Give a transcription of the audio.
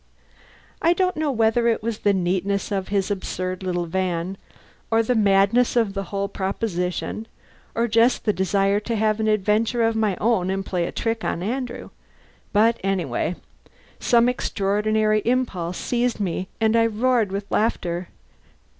I don't know whether it was the neatness of his absurd little van, or the madness of the whole proposition, or just the desire to have an adventure of my own and play a trick on Andrew, but anyway, some extraordinary impulse seized me and I roared with laughter.